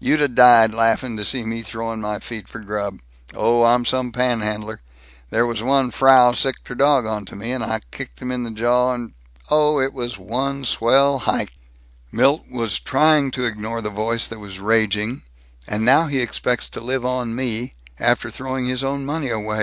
You'd 'a' died laughing to seen me throwing my feet for grub. Oh, I'm some panhandler! There was one Frau sicked her dog onto me, and I kicked him in the jaw and Oh, it was one swell hike." Milt was trying to ignore the voice that was raging, "And now he expects to live on me, after throwing his own money away.